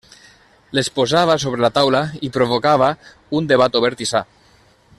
Les posava sobre la taula i provocava un debat obert i sa.